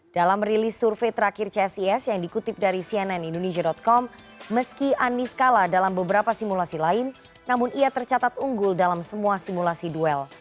dalam rilis survei terakhir csis yang dikutip dari cnn indonesia com meski anies kalah dalam beberapa simulasi lain namun ia tercatat unggul dalam semua simulasi duel